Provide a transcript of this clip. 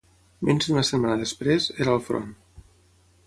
Menys d'una setmana després, era al front.